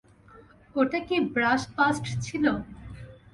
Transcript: ওটা কি ব্রাশ-পাস্ট ছিল?